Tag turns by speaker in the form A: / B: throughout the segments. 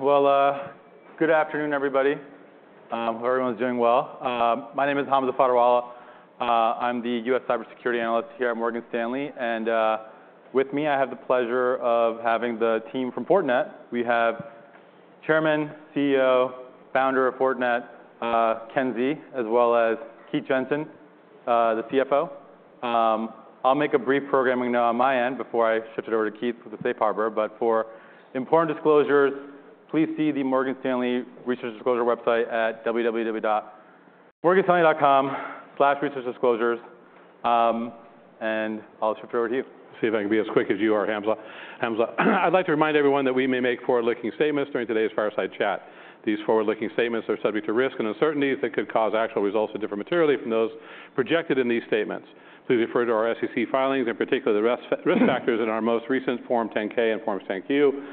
A: Good afternoon, everybody. Hope everyone's doing well. My name is Hamza Fodderwala. I'm the U.S. cybersecurity analyst here at Morgan Stanley, with me, I have the pleasure of having the team from Fortinet. We have Chairman, CEO, Founder of Fortinet, Ken Xie, as well as Keith Jensen, the CFO. I'll make a brief programming note on my end before I shift it over to Keith for the safe harbor. For important disclosures, please see the Morgan Stanley Research Disclosure website at www.morganstanley.com/researchdisclosures. I'll switch over to you.
B: See if I can be as quick as you are, Hamza. Hamza, I'd like to remind everyone that we may make forward-looking statements during today's fireside chat. These forward-looking statements are subject to risks and uncertainties that could cause actual results to differ materially from those projected in these statements. Please refer to our SEC filings, and particularly the risk factors in our most recent Form 10-K and Form 10-Q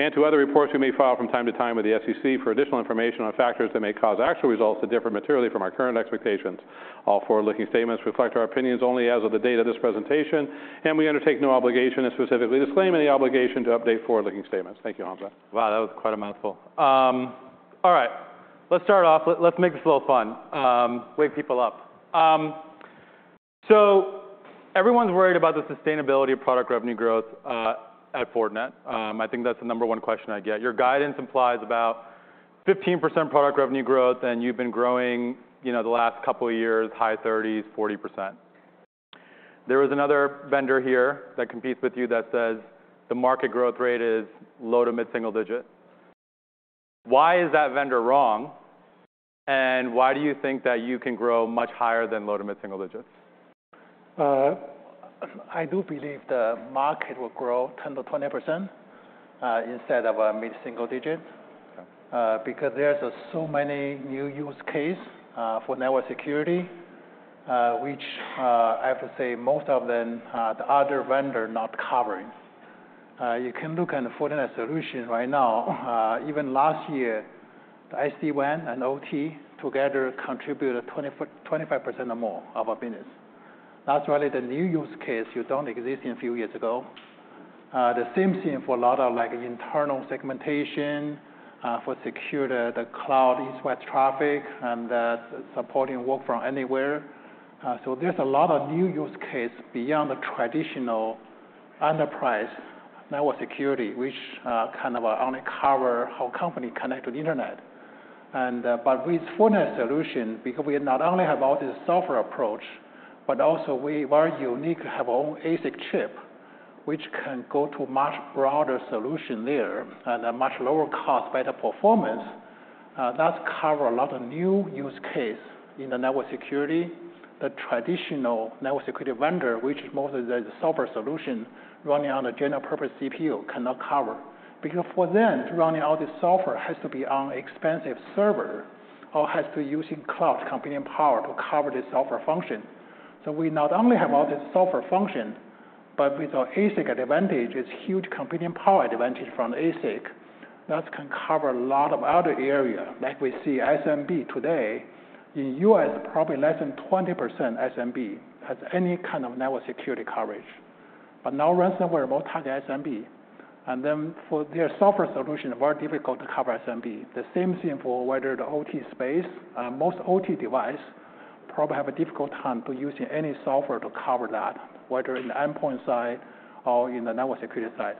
B: and to other reports we may file from time to time with the SEC for additional information on factors that may cause actual results to differ materially from our current expectations. All forward-looking statements reflect our opinions only as of the date of this presentation, and we undertake no obligation and specifically disclaim any obligation to update forward-looking statements. Thank you, Hamza.
A: Wow, that was quite a mouthful. All right, let's start off. Let's make this a little fun, wake people up. Everyone's worried about the sustainability of product revenue growth, at Fortinet. I think that's the number one question I get. Your guidance implies about 15% product revenue growth, and you've been growing, you know, the last couple of years, high 30s, 40%. There is another vendor here that competes with you that says the market growth rate is low to mid-single digit. Why is that vendor wrong, and why do you think that you can grow much higher than low to mid-single digits?
C: I do believe the market will grow 10%-20% instead of mid-single digit.
A: Okay.
C: Because there's so many new use case for network security, which I have to say, most of them, the other vendor not covering. You can look at the Fortinet solution right now. Even last year, the SD-WAN and OT together contributed 25% or more of our business. That's really the new use case you don't exist in few years ago. The same thing for a lot of, like, internal segmentation, for secure the cloud east-west traffic and the supporting work from anywhere. So there's a lot of new use case beyond the traditional enterprise network security, which kind of only cover how company connect to the internet. With Fortinet solution, because we not only have all this software approach, but also we very unique have own ASIC chip, which can go to much broader solution there at a much lower cost, better performance. That cover a lot of new use case in the network security. The traditional network security vendor, which most of the software solution running on a general purpose CPU cannot cover. For them, running all the software has to be on expensive server or has to using cloud computing power to cover the software function. We not only have all this software function, but with our ASIC advantage, it's huge computing power advantage from ASIC, that can cover a lot of other area. Like we see SMB today, in U.S., probably less than 20% SMB has any kind of network security coverage. Now ransomware both target SMB and then for their software solution, very difficult to cover SMB. The same thing for whether the OT space. Most OT device probably have a difficult time to using any software to cover that, whether in the endpoint side or in the network security side.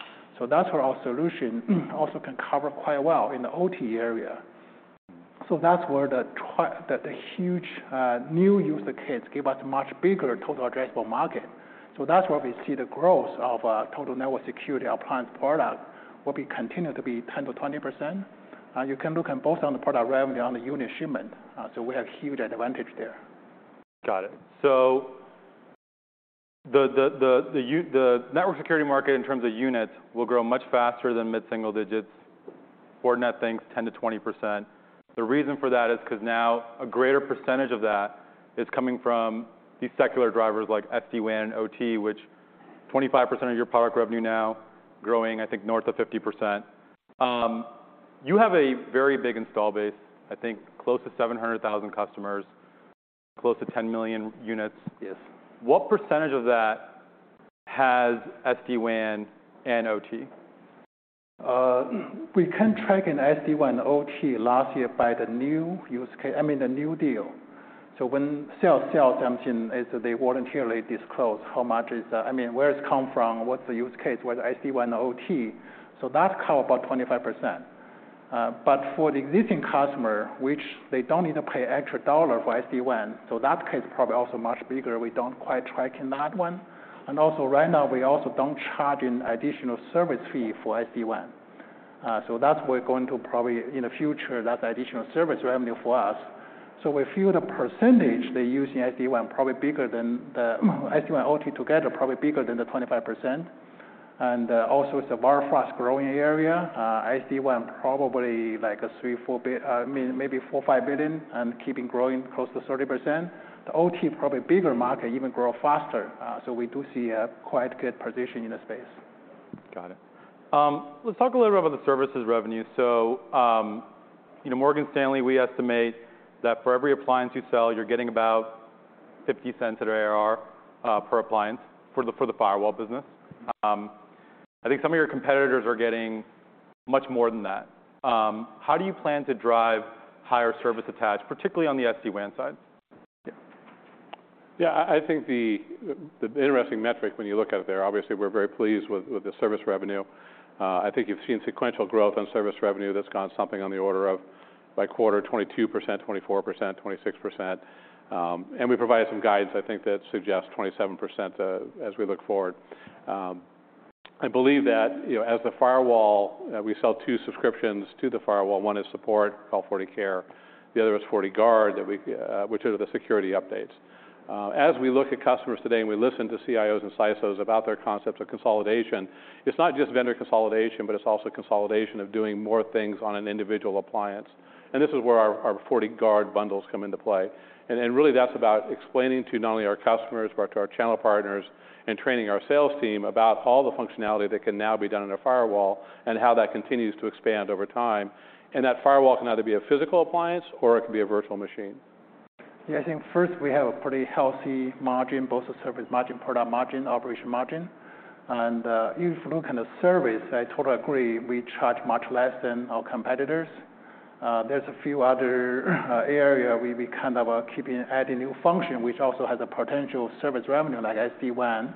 C: That's where our solution also can cover quite well in the OT area. That's where the huge new user case give us much bigger total addressable market. That's where we see the growth of total network security appliance product will be continue to be 10%-20%. You can look at both on the product revenue on the unit shipment. We have huge advantage there.
A: Got it. The network security market in terms of units will grow much faster than mid-single digits. Fortinet thinks 10%-20%. The reason for that is 'cause now a greater percentage of that is coming from these secular drivers like SD-WAN, OT, which 25% of your product revenue now growing, I think north of 50%. You have a very big install base, I think close to 700,000 customers, close to 10 million units.
C: Yes.
A: What percentage of that has SD-WAN and OT?
C: We can track in SD-WAN and OT last year by the new deal. When sales something is they voluntarily disclose how much is, I mean, where it's come from, what's the use case, whether SD-WAN or OT. That cover about 25%. For the existing customer, which they don't need to pay extra $1 for SD-WAN, so that case probably also much bigger. We don't quite track in that one. Also right now, we also don't charge an additional service fee for SD-WAN. That's we're going to probably in the future, that additional service revenue for us. If you the percentage they using SD-WAN, probably bigger than the SD-WAN, OT together, probably bigger than the 25%. Also it's a very fast-growing area. SD-WAN probably like a $3 billion-$4 billion, I mean maybe $4 billion-$5 billion and keeping growing close to 30%. The OT probably bigger market even grow faster. We do see a quite good position in the space.
A: Got it. Let's talk a little bit about the services revenue. You know, Morgan Stanley, we estimate that for every appliance you sell, you're getting about $0.50 at ARR per appliance for the firewall business. I think some of your competitors are getting much more than that. How do you plan to drive higher service attached, particularly on the SD-WAN side?
B: Yeah. I think the interesting metric when you look out there, obviously we're very pleased with the service revenue. I think you've seen sequential growth on service revenue that's gone something on the order of by quarter 22%, 24%, 26%. We provided some guidance, I think, that suggests 27% as we look forward. I believe that, you know, as the firewall, we sell two subscriptions to the firewall. One is support, called FortiCare, the other is FortiGuard which are the security updates. As we look at customers today and we listen to CIOs and CISOs about their concepts of consolidation, it's not just vendor consolidation, but it's also consolidation of doing more things on an individual appliance. This is where our FortiGuard bundles come into play. Really, that's about explaining to not only our customers, but to our channel partners and training our sales team about all the functionality that can now be done in a firewall and how that continues to expand over time. That firewall can either be a physical appliance or it can be a virtual machine.
C: Yeah, I think first we have a pretty healthy margin, both the service margin, product margin, operation margin. If you look in the service, I totally agree, we charge much less than our competitors. There's a few other area we kind of are keeping adding new function, which also has a potential service revenue like SD-WAN.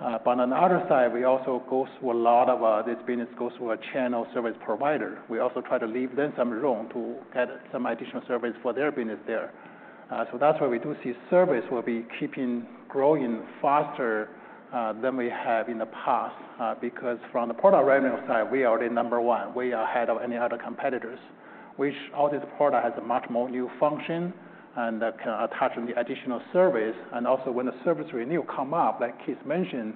C: On the other side, we also go through a lot of this business goes through a channel service provider. We also try to leave them some room to add some additional service for their business there. That's why we do see service will be keeping growing faster than we have in the past because from the product revenue side, we are the number one. We are ahead of any other competitors, which all this product has a much more new function and that can attach on the additional service. Also, when the service renewal come up, like Keith mentioned,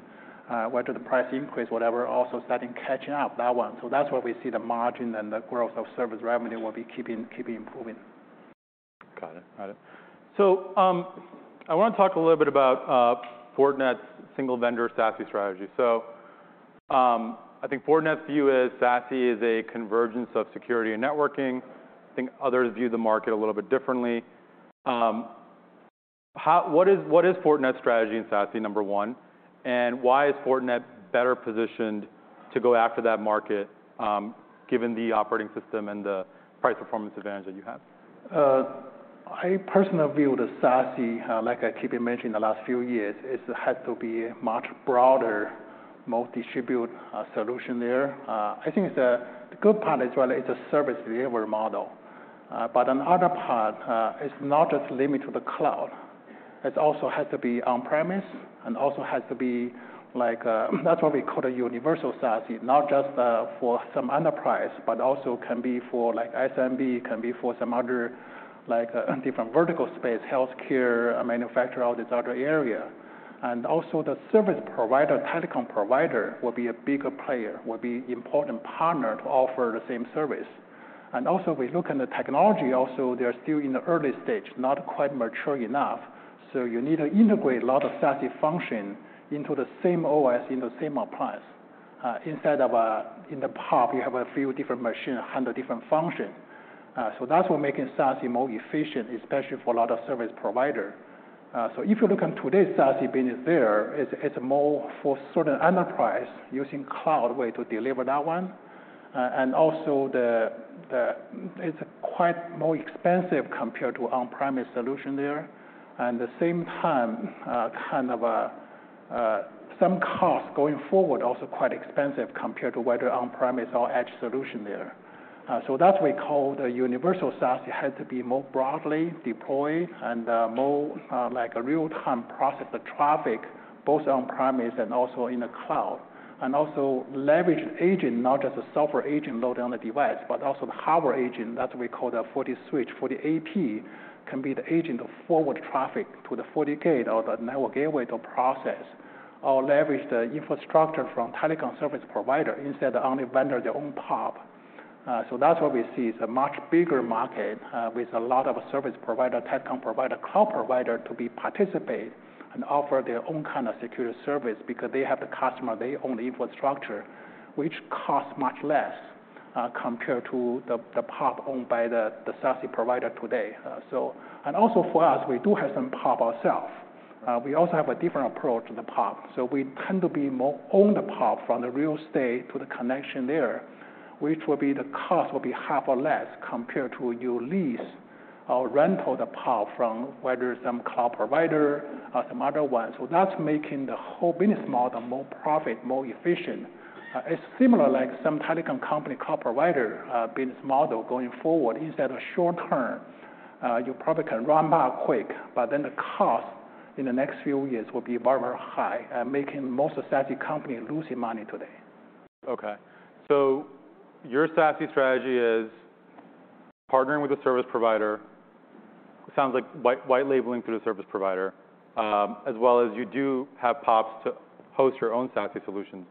C: whether the price increase, whatever, also starting catching up that one. That's why we see the margin and the growth of service revenue will be keeping improving.
A: Got it. Got it. I want to talk a little bit about Fortinet's single vendor SASE strategy. I think Fortinet's view is SASE is a convergence of security and networking. I think others view the market a little bit differently. What is Fortinet's strategy in SASE, number one, and why is Fortinet better positioned to go after that market, given the operating system and the price performance advantage that you have?
C: I personally view the SASE, like I keep mentioning the last few years, is it has to be much broader, more distribute solution there. I think the good part is, well, it's a service deliver model. Another part is not just limit to the cloud. It also has to be on-premise and also has to be like, that's why we call it universal SASE. Not just for some enterprise, but also can be for like SMB, can be for some other like different vertical space, healthcare, manufacturer, all these other area. The service provider, telecom provider will be a bigger player, will be important partner to offer the same service. We look in the technology also, they're still in the early stage, not quite mature enough. You need to integrate a lot of SASE function into the same OS, in the same appliance, instead of in the POP, you have a few different machine, 100 different function. That's what making SASE more efficient, especially for a lot of service provider. If you look at today's SASE business there, it's more for certain enterprise using cloud way to deliver that one. Also the, it's quite more expensive compared to on-premise solution there. The same time, kind of a, some cost going forward, also quite expensive compared to whether on-premise or edge solution there. That's why we call the Universal SASE. It has to be more broadly deployed and more like a real-time process of traffic, both on-premise and also in the cloud. also leverage agent, not just a software agent load on the device, but also the hardware agent. That's why we call the FortiSwitch. FortiAP can be the agent of forward traffic to the FortiGate or the network gateway to process or leverage the infrastructure from telecom service provider instead only vendor their own POP. That's why we see it's a much bigger market with a lot of service provider, telecom provider, cloud provider to be participate and offer their own kind of secure service because they have the customer, their own infrastructure, which costs much less compared to the POP owned by the SASE provider today. And also for us, we do have some POP ourself. We also have a different approach in the POP. We tend to be more own the POP from the real estate to the connection there, which will be the cost will be half or less compared to you lease or rental the POP from whether some cloud provider or some other one. That's making the whole business model more profit, more efficient. It's similar like some telecom company, cloud provider business model going forward. Instead of short-term, you probably can ramp up quick, but then the cost in the next few years will be very, very high and making most SASE company losing money today.
A: Okay. Your SASE strategy is partnering with the service provider. Sounds like white labeling through the service provider, as well as you do have POPs to host your own SASE solutions.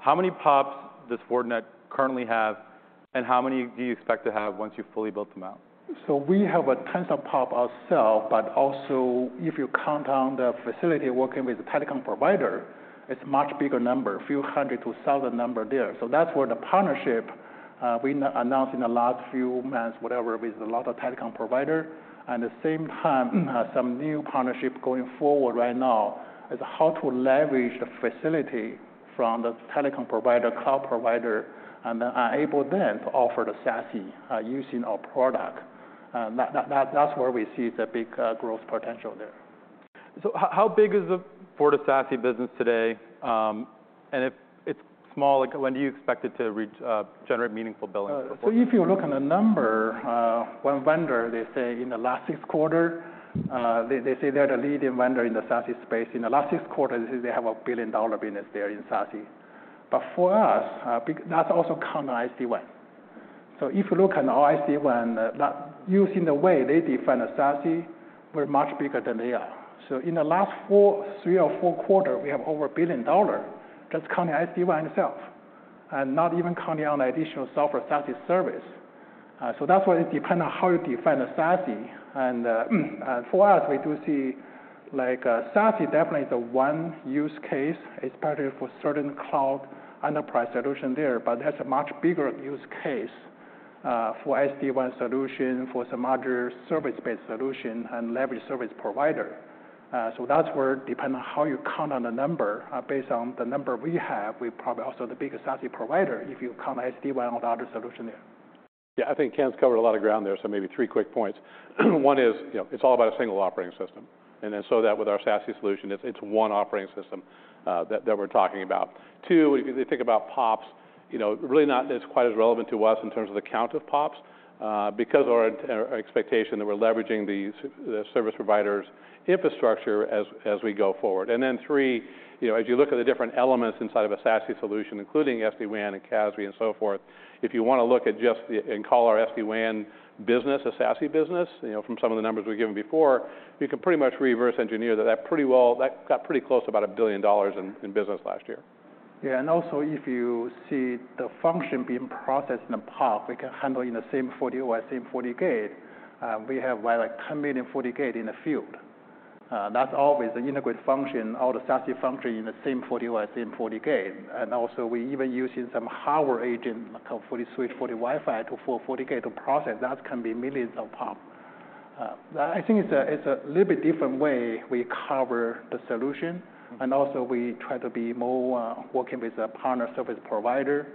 A: How many POPs does Fortinet currently have? How many do you expect to have once you've fully built them out?
C: We have a tons of POP ourself, but also if you count on the facility working with the telecom provider, it's much bigger number, few hundred to 1,000 number there. That's where the partnership we announced in the last few months, whatever, with a lot of telecom provider, and the same time, some new partnership going forward right now, is how to leverage the facility from the telecom provider, cloud provider, and then enable them to offer the SASE using our product. That's where we see the big growth potential there.
A: How big is the FortiSASE business today? If it's small like when do you expect it to reach generate meaningful billing for Fortinet?
C: If you look on the number, one vendor, they say in the last six quarter, they say they're the leading vendor in the SASE space. In the last six quarters, they say they have a billion-dollar business there in SASE. For us, that's also count SD-WAN. If you look at our SD-WAN, that using the way they define a SASE, we're much bigger than they are. In the last four, three or four quarter, we have over $1 billion just counting SD-WAN itself, and not even counting on additional software SASE service. That's why it depend on how you define a SASE, and for us, we do see, like SASE definitely the one use case, especially for certain cloud enterprise solution there, but there's a much bigger use case for SD-WAN solution, for some other service-based solution, and leverage service provider. That's where depend on how you count on the number. Based on the number we have, we're probably also the biggest SASE provider if you count SD-WAN with the other solution there.
B: I think Ken's covered a lot of ground there, so maybe three quick points. One is, you know, it's all about a single operating system, and then so that with our SASE solution, it's one operating system that we're talking about. Two, if you think about POPs, you know, really not as quite as relevant to us in terms of the count of POPs, because our expectation that we're leveraging the service provider's infrastructure as we go forward. Three, you know, as you look at the different elements inside of a SASE solution, including SD-WAN and CASB and so forth, if you want to look at just the and call our SD-WAN business a SASE business, you know, from some of the numbers we've given before, you can pretty much reverse engineer that pretty well. That got pretty close to about $1 billion in business last year.
C: Yeah, if you see the function being processed in the POP, we can handle in the same FortiOS, same FortiGate. We have like 10 million FortiGate in the field. That's always an integrate function, all the SASE function in the same FortiOS, same FortiGate. We even using some hardware agent called FortiSwitch, FortiWiFi to fortify the process. That can be millions of POP. I think it's a, it's a little bit different way we cover the solution, we try to be more working with a partner service provider,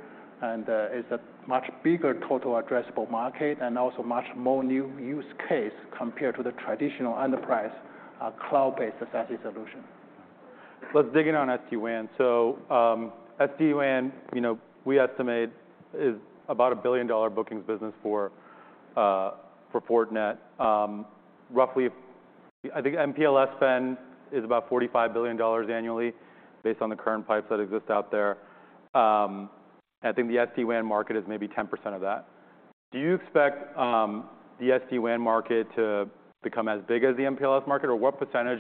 C: it's a much bigger total addressable market and also much more new use case compared to the traditional enterprise, cloud-based SASE solution.
A: Let's dig in on SD-WAN. SD-WAN, you know, we estimate is about a $1 billion-dollar bookings business for Fortinet. Roughly, I think MPLS spend is about $45 billion annually based on the current pipes that exist out there. I think the SD-WAN market is maybe 10% of that. Do you expect the SD-WAN market to become as big as the MPLS market? Or what percentage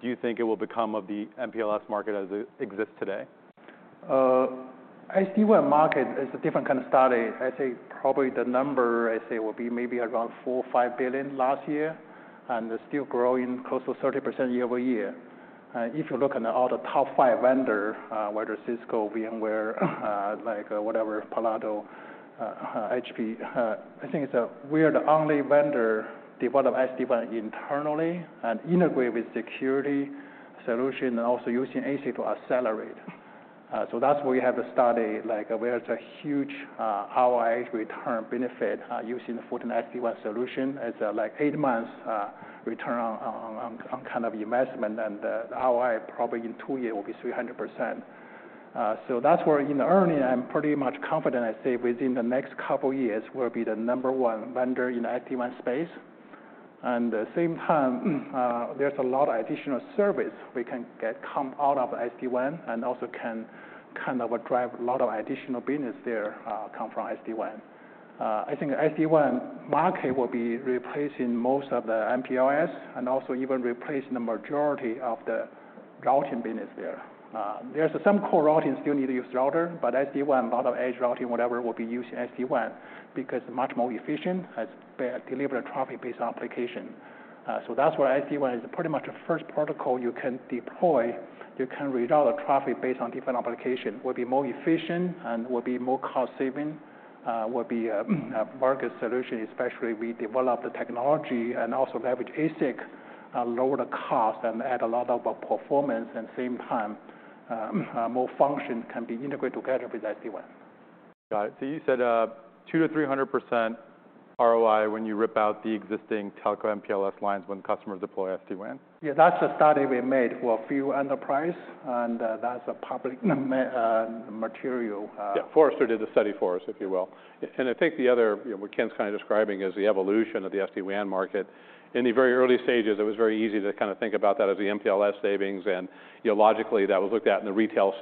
A: do you think it will become of the MPLS market as it exists today?
C: SD-WAN market is a different kind of study. I'd say probably the number, I'd say, will be maybe around $4 billion-$5 billion last year, and it's still growing close to 30% year-over-year. If you look at all the top five vendor, whether Cisco, VMware, like, whatever, Palo Alto Networks, HP, I think it's, we are the only vendor develop SD-WAN internally and integrate with security solution and also using ASIC to accelerate. So that's why we have the study, like, where it's a huge ROI return benefit, using the Fortinet SD-WAN solution. It's, like eight months, return on kind of investment, and the ROI probably in two years will be 300%. That's where, you know, early, I'm pretty much confident, I'd say, within the next couple years, we'll be the number one vendor in SD-WAN space. At the same time, there's a lot of additional service we can get come out of SD-WAN and also can kind of drive a lot of additional business there, come from SD-WAN. I think SD-WAN market will be replacing most of the MPLS and also even replace the majority of the routing business there. There's some core routing still need to use router, but SD-WAN, a lot of edge routing, whatever, will be using SD-WAN because much more efficient as per deliver traffic based on application. That's why SD-WAN is pretty much the first protocol you can deploy. You can route all the traffic based on different application, will be more efficient and will be more cost saving, will be a market solution, especially we develop the technology and also leverage ASIC, lower the cost and add a lot of performance, and same time, more function can be integrated together with SD-WAN.
A: Got it. you said, 200%-300% ROI when you rip out the existing telco MPLS lines when customers deploy SD-WAN?
C: Yeah. That's a study we made for a few enterprise, and that's a public material.
B: Yeah. Forrester did the study for us, if you will. I think the other, you know, what Ken's kind of describing is the evolution of the SD-WAN market. In the very early stages, it was very easy to kind of think about that as the MPLS savings and, you know, logically, that was looked at in the retail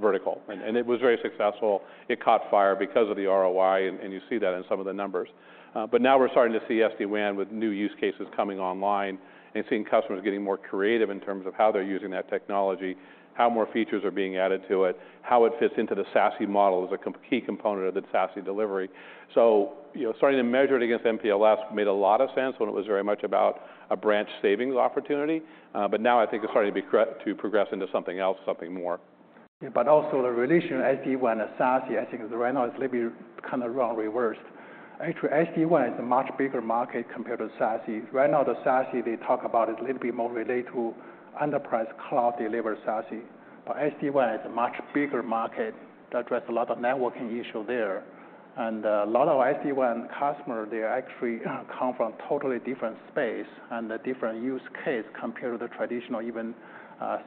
B: vertical. It was very successful. It caught fire because of the ROI, and you see that in some of the numbers. Now we're starting to see SD-WAN with new use cases coming online and seeing customers getting more creative in terms of how they're using that technology, how more features are being added to it, how it fits into the SASE model as a key component of the SASE delivery. You know, starting to measure it against MPLS made a lot of sense when it was very much about a branch savings opportunity, but now I think it's starting to progress into something else, something more.
C: The relation SD-WAN and SASE, I think right now it's maybe kind of run reversed. SD-WAN is a much bigger market compared to SASE. Right now, the SASE, they talk about it a little bit more related to enterprise cloud deliver SASE. SD-WAN is a much bigger market that address a lot of networking issue there. A lot of SD-WAN customer, they actually come from totally different space and a different use case compared to the traditional even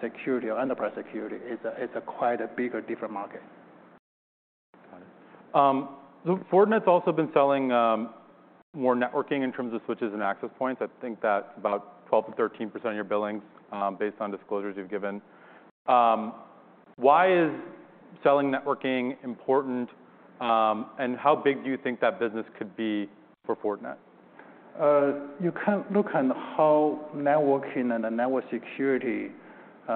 C: security or enterprise security. It's a quite a bigger, different market.
A: Got it. Fortinet's also been selling more networking in terms of switches and access points. I think that's about 12%-13% of your billings, based on disclosures you've given. Why is selling networking important, and how big do you think that business could be for Fortinet?
C: You can look on how networking and the network security.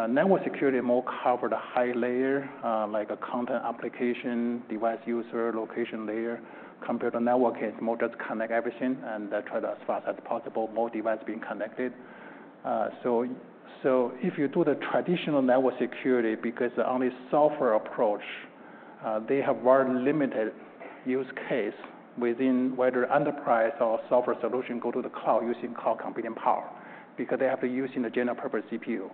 C: Network security more cover the high layer, like a content application, device user, location layer, compared to networking is more just connect everything and try to as fast as possible, more device being connected. If you do the traditional network security, because only software approach, they have very limited use case within whether enterprise or software solution go to the cloud using cloud computing power, because they have to use in the general purpose CPU.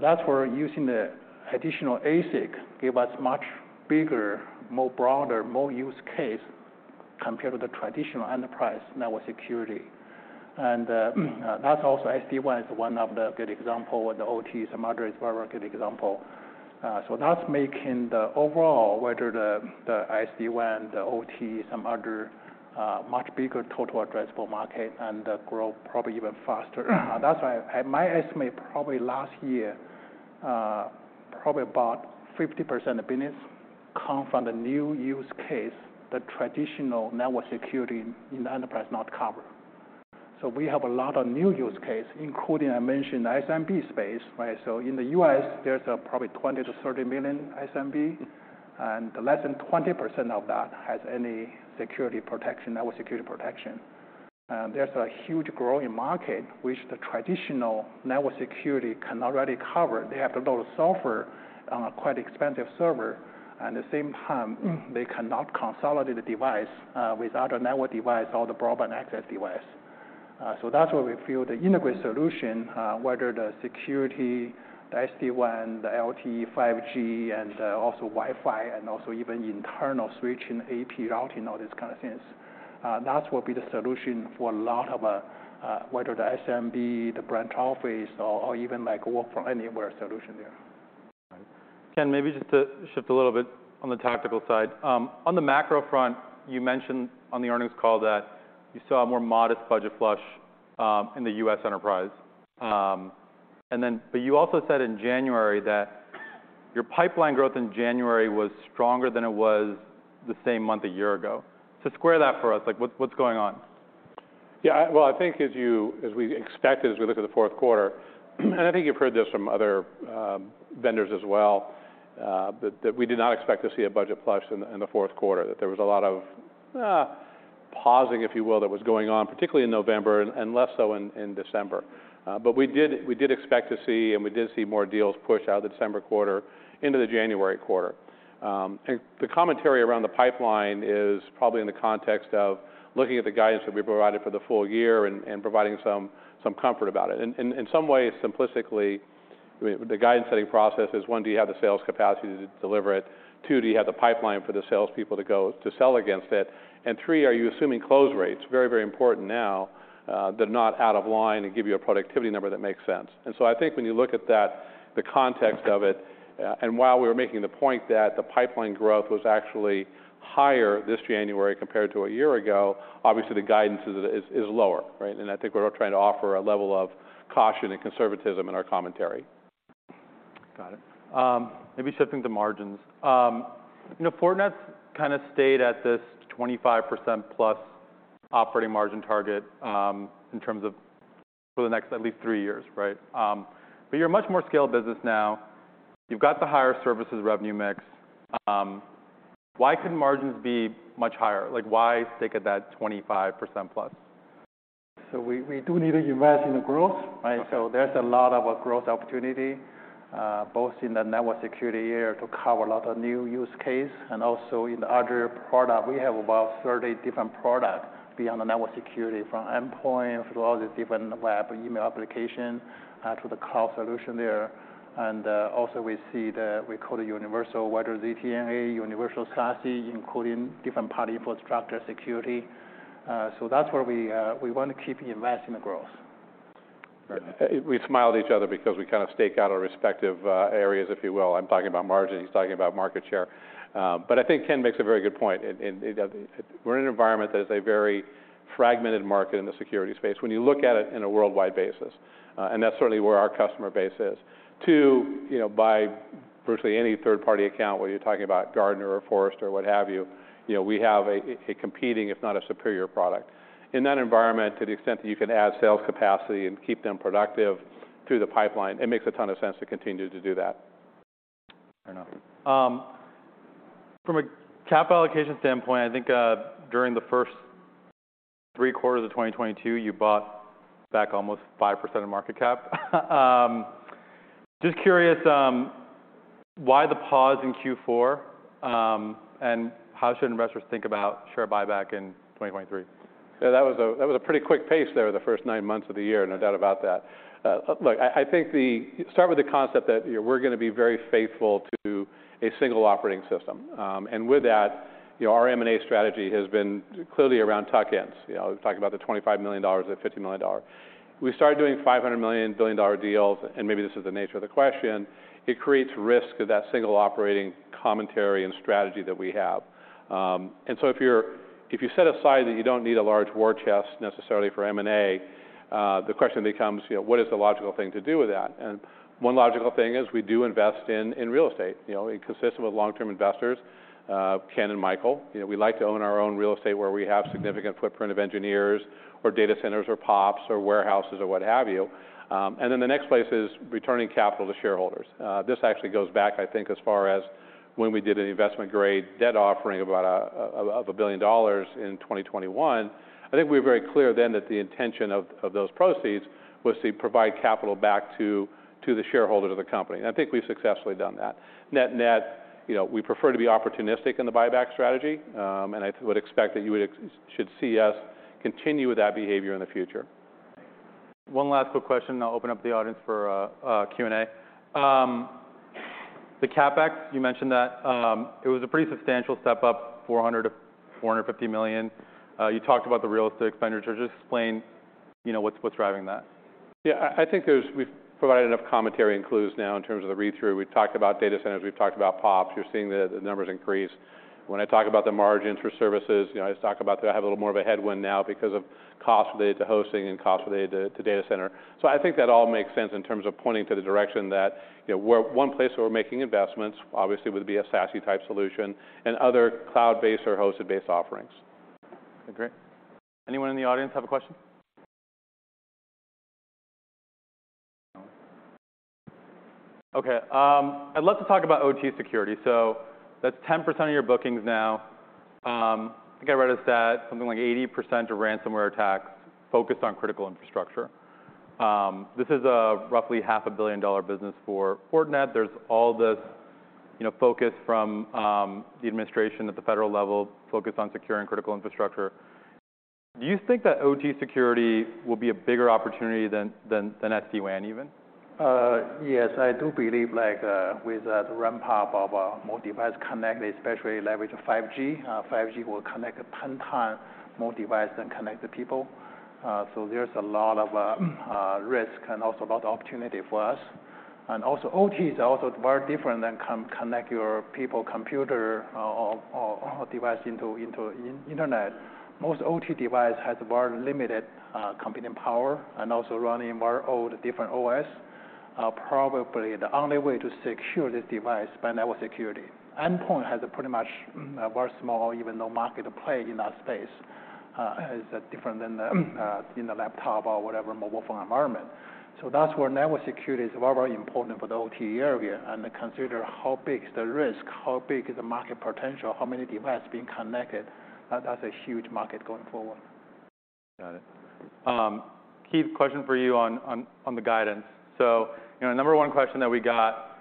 C: That's where using the additional ASIC give us much bigger, more broader, more use case compared to the traditional enterprise network security. That's also SD-WAN is one of the good example, with the OT and some other is very good example. That's making the overall, whether the SD-WAN, the OT, some other, much bigger total addressable market and the growth probably even faster. That's why my estimate, probably last year, probably about 50% of business come from the new use case that traditional network security in the enterprise not cover. We have a lot of new use case, including I mentioned SMB space, right? In the U.S., there's probably 20 million-30 million SMB, and less than 20% of that has any security protection, network security protection. There's a huge growing market which the traditional network security can already cover. They have to build software on a quite expensive server, and the same time, they cannot consolidate the device, without a network device or the broadband access device. That's where we feel the integrated solution, whether the security, the SD-WAN, the LTE, 5G, and also Wi-Fi, and also even internal switch and AP routing, all these kind of things, that will be the solution for a lot of, whether the SMB, the branch office or even like work from anywhere solution there.
A: Right. Ken, maybe just to shift a little bit on the tactical side. On the macro front, you mentioned on the earnings call that you saw a more modest budget flush in the U.S. enterprise. You also said in January that your pipeline growth in January was stronger than it was the same month a year ago. Square that for us. Like, what's going on?
B: Yeah. Well, I think as we expected as we look at the fourth quarter, and I think you've heard this from other vendors as well, that we did not expect to see a budget flush in the fourth quarter, that there was a lot of pausing, if you will, that was going on, particularly in November and less so in December. We did expect to see, and we did see more deals push out of the December quarter into the January quarter. The commentary around the pipeline is probably in the context of looking at the guidance that we provided for the full year and providing some comfort about it. In some ways, simplistically, the guidance setting process is, one, do you have the sales capacity to deliver it? Two, do you have the pipeline for the sales people to go to sell against it? Three, are you assuming close rates? Very, very important now, they're not out of line and give you a productivity number that makes sense. I think when you look at that, the context of it, and while we were making the point that the pipeline growth was actually higher this January compared to a year ago, obviously the guidance is lower, right? I think we're trying to offer a level of caution and conservatism in our commentary.
A: Got it. Maybe shifting to margins. You know, Fortinet's kind of stayed at this 25%+ operating margin target, in terms of for the next at least three years, right? You're a much more scaled business now. You've got the higher services revenue mix. Why couldn't margins be much higher? Like, why stick at that 25%+?
C: We do need to invest in the growth, right?
A: Okay.
C: There's a lot of growth opportunity both in the network security area to cover a lot of new use case and also in the other product. We have about 30 different product beyond the network security, from endpoint through all the different web and email application to the cloud solution there. We call it Universal, whether it's ZTNA, Universal SASE, including different party infrastructure security. That's where we want to keep investing the growth.
B: We smile at each other because we kind of stake out our respective areas, if you will. I'm talking about margin, he's talking about market share. I think Ken makes a very good point. We're in an environment that is a very fragmented market in the security space when you look at it in a worldwide basis, and that's certainly where our customer base is. You know, by virtually any third party account, whether you're talking about Gartner or Forrester or what have you know, we have a competing, if not a superior product. In that environment, to the extent that you can add sales capacity and keep them productive through the pipeline, it makes a ton of sense to continue to do that.
A: Fair enough. From a capital allocation standpoint, I think, during the first three quarters of 2022, you bought back almost 5% of market cap. Just curious, why the pause in Q4, and how should investors think about share buyback in 2023?
B: That was a pretty quick pace there the first nine months of the year, no doubt about that. Look, start with the concept that, you know, we're gonna be very faithful to a single operating system. With that, you know, our M&A strategy has been clearly around tuck-ins. You know, we've talked about the $25 million, the $50 million. We start doing $500 million, billion-dollar deals, maybe this is the nature of the question, it creates risk of that single operating commentary and strategy that we have. If you set aside that you don't need a large war chest necessarily for M&A, the question becomes, you know, what is the logical thing to do with that? One logical thing is we do invest in real estate. You know, it consists with long-term investors, Ken Xie and Michael. You know, we like to own our own real estate where we have significant footprint of engineers or data centers or POPs or warehouses or what have you. Then the next place is returning capital to shareholders. This actually goes back, I think, as far as when we did an investment-grade debt offering about $1 billion in 2021. I think we were very clear then that the intention of those proceeds was to provide capital back to the shareholders of the company, and I think we've successfully done that. Net, net, you know, we prefer to be opportunistic in the buyback strategy, and I would expect that you should see us continue with that behavior in the future.
A: One last quick question, and I'll open up the audience for Q&A. The CapEx, you mentioned that, it was a pretty substantial step up, $400 million-$450 million. You talked about the real estate expenditures. Just explain, you know, what's driving that.
B: I think we've provided enough commentary and clues now in terms of the read-through. We've talked about data centers. We've talked about POPs. You're seeing the numbers increase. When I talk about the margins for services, you know, I just talk about that I have a little more of a headwind now because of costs related to hosting and costs related to data center. I think that all makes sense in terms of pointing to the direction that, you know, one place where we're making investments, obviously, would be a SASE-type solution and other cloud-based or hosted-based offerings.
A: Okay. Anyone in the audience have a question? Okay. I'd love to talk about OT security. That's 10% of your bookings now. I think I read a stat, something like 80% of ransomware attacks focused on critical infrastructure. This is a roughly half a billion-dollar business for Fortinet. There's all this, you know, focus from the administration at the federal level focused on securing critical infrastructure. Do you think that OT security will be a bigger opportunity than SD-WAN even?
C: Yes, I do believe with the ramp up of more device connected, especially leverage of 5G will connect 10 times more device than connected people. There's a lot of risk and also a lot of opportunity for us. OT is also very different than connect your people computer or device into internet. Most OT device has very limited computing power and also running very old different OS. Probably the only way to secure this device by network security. Endpoint has a pretty much very small, even no market play in that space. It's different than the, you know, laptop or whatever mobile phone environment. That's where network security is very important for the OT area. Consider how big is the risk, how big is the market potential, how many device being connected. That's a huge market going forward.
A: Got it. Keith, question for you on, on the guidance. you know, number one question that we got,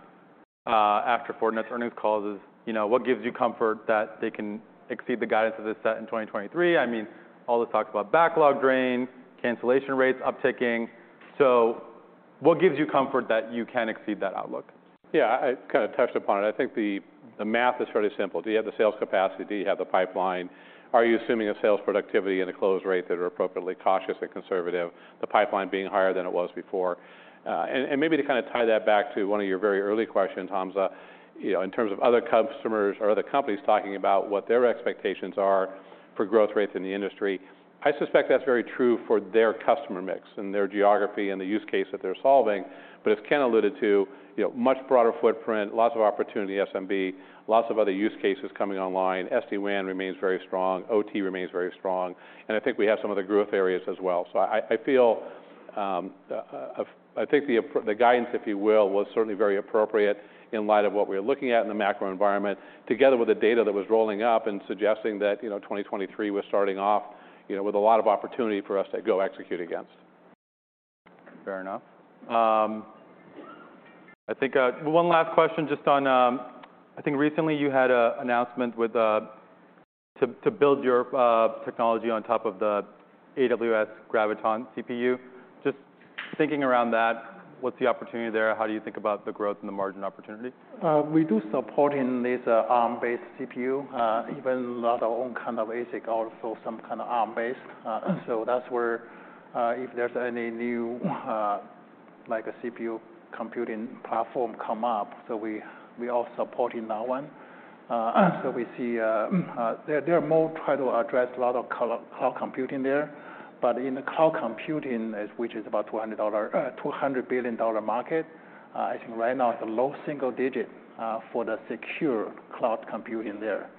A: after Fortinet's earnings calls is, you know, what gives you comfort that they can exceed the guidance that they set in 2023? I mean, all this talk about backlog drain, cancellation rates upticking. what gives you comfort that you can exceed that outlook?
B: Yeah. I kind of touched upon it. I think the math is fairly simple. Do you have the sales capacity? Do you have the pipeline? Are you assuming a sales productivity and a close rate that are appropriately cautious and conservative, the pipeline being higher than it was before? Maybe to kind of tie that back to one of your very early questions, Hamza, you know, in terms of other customers or other companies talking about what their expectations are for growth rates in the industry, I suspect that's very true for their customer mix and their geography and the use case that they're solving. But as Ken alluded to, you know, much broader footprint, lots of opportunity, SMB, lots of other use cases coming online. SD-WAN remains very strong. OT remains very strong. I think we have some other growth areas as well. I feel, I think the guidance, if you will, was certainly very appropriate in light of what we're looking at in the macro environment together with the data that was rolling up and suggesting that, you know, 2023 was starting off, you know, with a lot of opportunity for us to go execute against.
A: Fair enough. I think one last question just on... I think recently you had an announcement with to build your technology on top of the AWS Graviton CPU. Just thinking around that, what's the opportunity there? How do you think about the growth and the margin opportunity?
C: We do support in this Arm-based CPU, even not our own kind of ASIC, also some kind of Arm-based. That's where, if there's any new, like a CPU computing platform come up, we all support in that one. We see, they are more try to address a lot of cloud computing there. In the cloud computing is which is about $200, $200 billion market, I think right now it's a low single digit for the secure cloud computing there.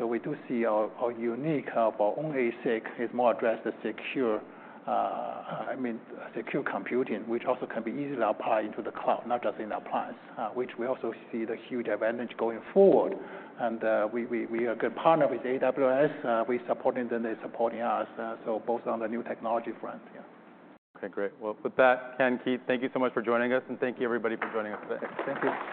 C: We do see our unique, but only ASIC is more addressed to secure, I mean, secure computing, which also can be easily applied into the cloud, not just in appliance. Which we also see the huge advantage going forward. We are good partner with AWS. We supporting them, they're supporting us, both on the new technology front, yeah.
A: Okay, great. Well, with that, Ken, Keith, thank you so much for joining us, and thank you everybody for joining us today.
C: Thank you.